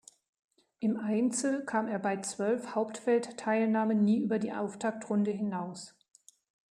Im Einzel kam er bei zwölf Hauptfeld-Teilnahmen nie über die Auftaktrunde hinaus.